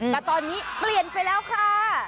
แต่ตอนนี้เปลี่ยนไปแล้วค่ะ